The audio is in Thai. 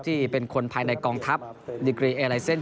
ที่เป็นคนภายในกองทัพดิกรีเอไลเซ็น